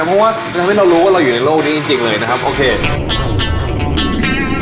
เพราะว่าทำให้เรารู้ว่าเราอยู่ในโลกนี้จริงเลยนะครับโอเค